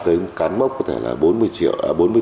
tới cán mốc có thể là bốn mươi triệu